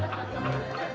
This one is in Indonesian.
eh jangan jangan